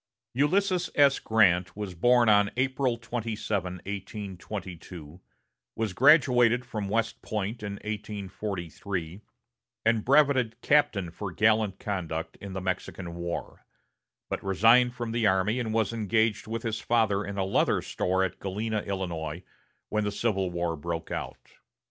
Ulysses S. Grant was born on April 27, 1822, was graduated from West Point in 1843, and brevetted captain for gallant conduct in the Mexican War; but resigned from the army and was engaged with his father in a leather store at Galena, Illinois, when the Civil War broke out.